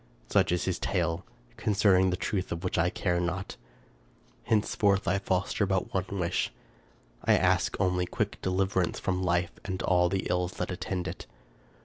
Such is his tale, concerning the truth of which I care not. Hence forth I foster but one wish: I ask only quick deliverance from life and all the ills that attend it.